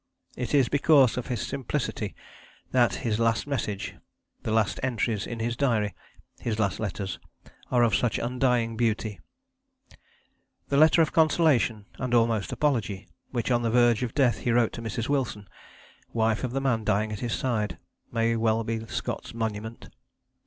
It is because of his simplicity that his last message, the last entries in his diary, his last letters, are of such undying beauty. The letter of consolation (and almost of apology) which, on the verge of death, he wrote to Mrs. Wilson, wife of the man dying at his side, may well be Scott's monument.